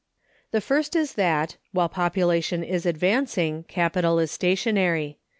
The first is that, while Population is advancing, Capital is stationary.